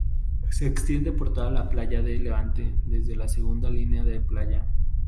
Se extiende por toda la playa de Levante desde la segunda línea de playa.